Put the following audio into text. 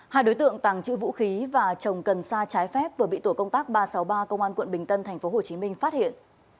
hai đối tượng tàng trữ vũ khí và trồng cần sa trái phép vừa bị tổ công tác ba trăm sáu mươi ba công an quận bình tân tp hcm phát hiện